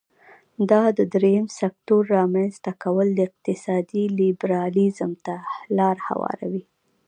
دا د دریم سکتور رامینځ ته کول د اقتصادي لیبرالیزم ته لار هواروي.